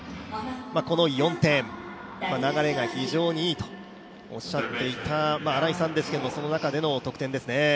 この４点、流れが非常にいいとおっしゃっていた新井さんですがその中での得点ですね。